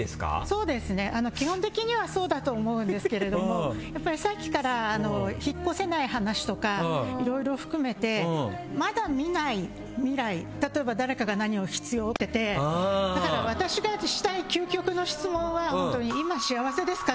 そうですね、基本的にはそうだと思うんですけれどもやっぱり、さっきから引っ越せない話とかいろいろ含めてまだ見ない未来まだ来ない未来が現在を乗っ取っちゃっててだから私がしたい究極の質問は今、幸せですか？